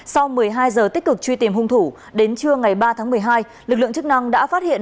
sau một mươi hai giờ tích cực truy tìm hung thủ đến trưa ngày ba tháng một mươi hai lực lượng chức năng đã phát hiện